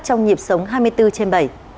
trong nhịp sống hai mươi bốn trên bảy